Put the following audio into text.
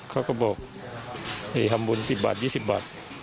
เขาก็บอกทำบุญสิบบาทยี่สิบบาท